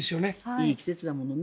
いい季節だものね。